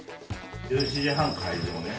１７時半開場ね。